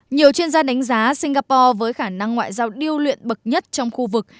nhiều chuyên gia đánh giá singapore với khả năng ngoại giao điêu luyện bậc nhất trong khu vực